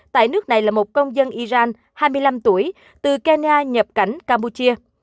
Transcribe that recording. tại nước này là một công dân iran hai mươi năm tuổi từ kenya nhập cảnh campuchia